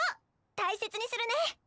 大切にするね！